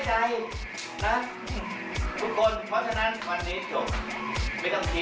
นายุคท่านบอกแล้วเราเล่นด้วยสปีริตแค่นี้เราก็ได้ใจ